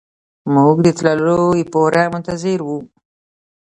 موږ د تللو لپاره منتظر وو.